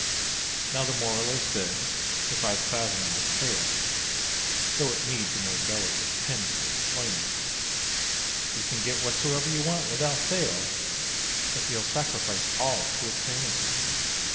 Now the Moral is this if I've fathomed the tale (Though it needs a more delicate pen to explain it): You can get whatsoever you want, without fail, If you'll sacrifice all to obtain it.